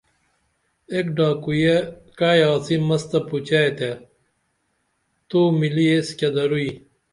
ایک ڈاکو یے کعی آڅی مس تہ پوچے تہ تو ملی ایس کیہ دروئی